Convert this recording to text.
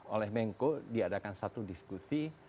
oleh mengko diadakan satu diskusi